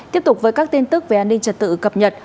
tiếp tục với các tin tức về an ninh trật tự cập nhật